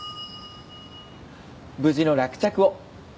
無事の落着を。